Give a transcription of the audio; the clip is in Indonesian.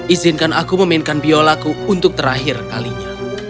izinkan aku memainkan biolaku untuk terakhir kalinya